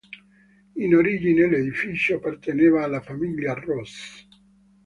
In origine l'edificio apparteneva alla famiglia Ross.